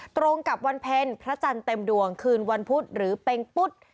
ตรงกับวันเพ็ญพระจันทร์เต็มดวงคืนวันพุธหรือเป็งปุ๊ด